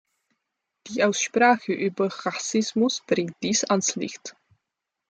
Die Aussprache über Rassismus bringt dies ans Licht.